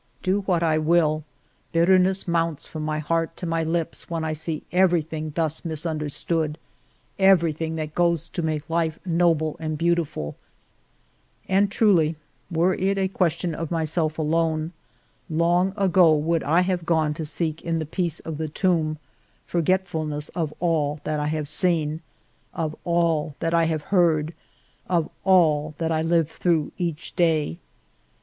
Do what I will, bitterness mounts from my heart to my lips when I see everything thus misunderstood, — everything that goes to make life noble and beau tiful ; and truly were it a question of myself alone, 17 258 FIVE YEARS OF MY LIFE long ago would I have gone to seek in the peace of the tomb forgetfulness of all that I have seen, of all that I have heard, of all that I live through each day.